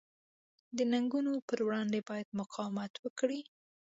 د ننګونو پر وړاندې باید مقاومت وکړي.